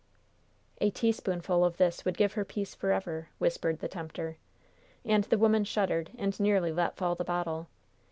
"A teaspoonful of this would give her peace forever," whispered the tempter. And the woman shuddered, and nearly let fall the bottle.